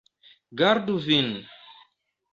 Gardu vin!